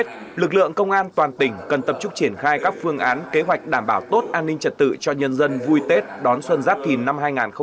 tỉnh cần tập trung triển khai các phương án kế hoạch đảm bảo tốt an ninh trật tự cho nhân dân vui tết đón xuân giáp thìn năm hai nghìn hai mươi bốn